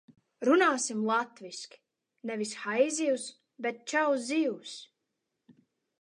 Runāsim latviski! Nevis haizivs, bet čau, zivs!